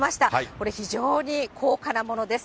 これ、非常に高価なものです。